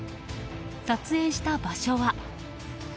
撮影した場所は。